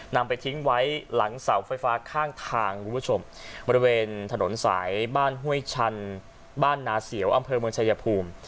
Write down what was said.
นำไปทิ้งไว้หลังเสาไฟฟ้าข้างทางคุณผู้ชมบริเวณถนนสายบ้านห้วยชันบ้านนาเสียวอำเภอเมืองชายภูมิ